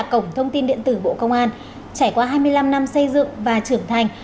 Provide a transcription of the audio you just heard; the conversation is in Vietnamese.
cổng thông tin điện tử bộ công an trải qua hai mươi năm năm xây dựng và trưởng thành